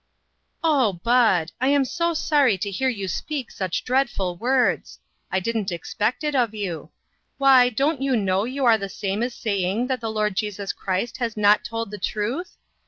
" Oh, Bud ! I am so sorry to hear you speak such dreadful words ! I didn't expect it of you. Why, don't you know you are the same as saying that the Lord Jesus Christ has not told the truth